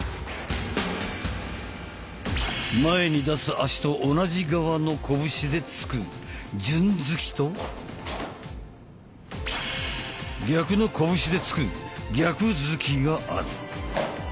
前に出す足と同じ側の拳で突く「順突き」と逆の拳で突く「逆突き」がある。